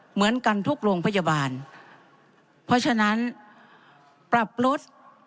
เหมือนกันทุกโรงพยาบาลเพราะฉะนั้นปรับลด